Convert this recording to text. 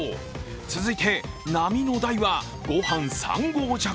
続いて、並の大はご飯３合弱。